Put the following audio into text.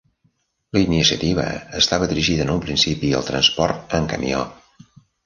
La iniciativa estava dirigida en un principi al transport amb camió.